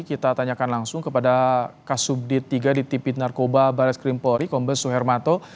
kita tanyakan langsung kepada kasubdi iii di tipi narkoba baris krim polri kombe suhermanto